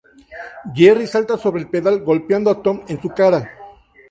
Jerry salta sobre el pedal golpeando a Tom en su cara.